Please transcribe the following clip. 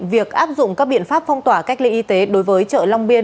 việc áp dụng các biện pháp phong tỏa cách ly y tế đối với chợ long biên